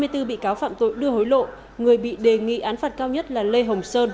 hai mươi bốn bị cáo phạm tội đưa hối lộ người bị đề nghị án phạt cao nhất là lê hồng sơn